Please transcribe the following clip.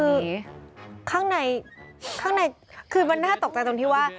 คือข้างในคือมันน่าตกใจจนที่ว่า